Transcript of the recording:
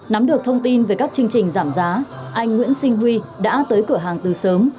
nắm được thông tin về các chương trình giảm giá anh nguyễn sinh huy đã tới cửa hàng từ sớm